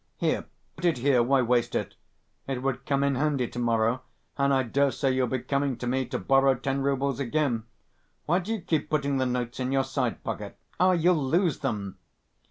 Here, put it here, why waste it? It would come in handy to‐morrow, and I dare say you'll be coming to me to borrow ten roubles again. Why do you keep putting the notes in your side‐pocket? Ah, you'll lose them!"